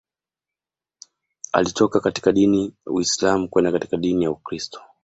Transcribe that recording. Alitoka katika dini Uislam kwenda katika dini ya Ukristo